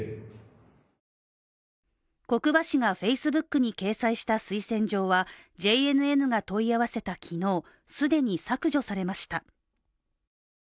國場氏がＦａｃｅｂｏｏｋに掲載した推薦状はＪＮＮが問い合わせた昨日すでに削除されました。